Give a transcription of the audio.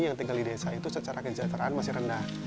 yang tinggal di desa itu secara kesejahteraan masih rendah